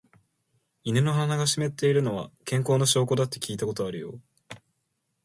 犬の鼻が湿っているのは、健康な証拠だって聞いたことあるよ。